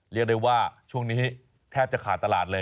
เรียกได้ว่าช่วงนี้แทบจะขาดตลาดเลย